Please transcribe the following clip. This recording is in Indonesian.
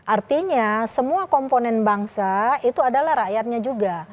artinya semua komponen bangsa itu adalah rakyatnya juga